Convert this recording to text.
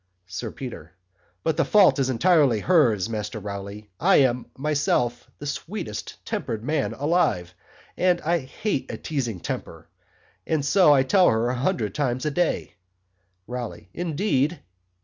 SIR PETER. But the Fault is entirely hers, Master Rowley I am myself, the sweetest temper'd man alive, and hate a teasing temper; and so I tell her a hundred Times a day ROWLEY. Indeed!